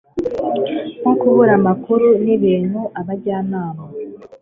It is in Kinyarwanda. nko kubura amakuru, ni ibintu abajyanama